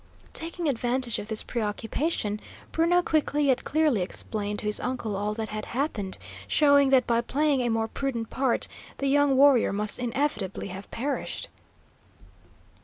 Taking advantage of this preoccupation, Bruno quickly yet clearly explained to his uncle all that had happened, showing that by playing a more prudent part the young warrior must inevitably have perished.